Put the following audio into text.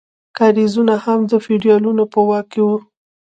کاریزونه هم د فیوډالانو په واک کې وو.